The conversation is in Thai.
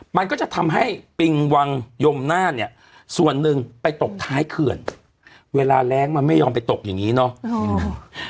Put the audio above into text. มันก็จะทำให้ปิงวังยมหน้าเนี่ยส่วนหนึ่งไปตกท้ายเขื่อนเวลาแรงมันไม่ยอมไปตกอย่างนี้เนาะ